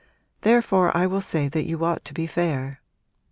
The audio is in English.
Therefore I will say that you ought to be fair.